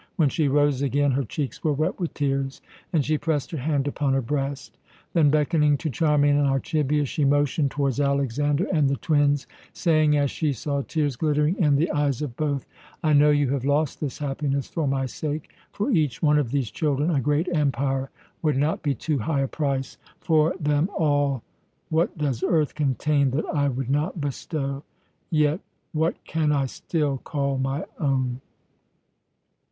When she rose again her cheeks were wet with tears, and she pressed her hand upon her breast. Then, beckoning to Charmian and Archibius, she motioned towards Alexander and the twins, saying, as she saw tears glittering in the eyes of both: "I know you have lost this happiness for my sake. For each one of these children a great empire would not be too high a price; for them all What does earth contain that I would not bestow? Yet what can I still call my own?"